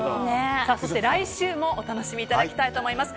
そして来週もお楽しみいただきたいと思います。